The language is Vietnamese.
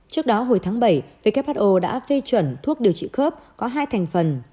trước đó hồi tháng bảy who đã phê chuẩn thuốc điều trị khớp có hai thành phần